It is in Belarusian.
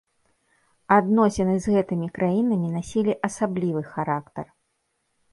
Адносіны з гэтымі краінамі насілі асаблівы характар.